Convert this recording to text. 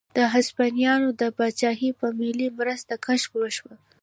د هسپانیا د پاچاهۍ په مالي مرسته کشف وشوه.